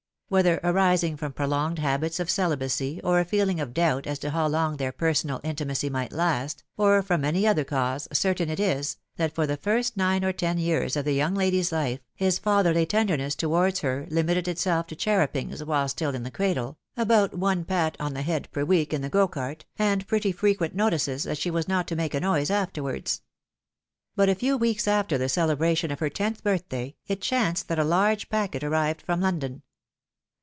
A¥hether arising from prolonged habits of cehbacy or a feehng of doubt as to how long their personal intimacy might last, or from 'any other cause, certain it is, that for the first nine or ten years of the young lady's fife, his fatherly tenderness towards her limited itself to cheruppings while still in the cradle, about one pat on the head per week in the go cart, and pretty frequent notices that she was not to make a noise afterwards. But a few weeks after the celebration of her tenth birthday, it chanced that a large packet arrived from London.